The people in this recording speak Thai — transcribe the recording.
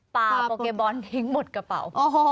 ปลาโปเกบอลทิ้งหมดกระเป๋า